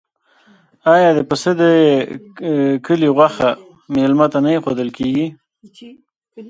آیا د پسه د کلي غوښه میلمه ته نه ایښودل کیږي؟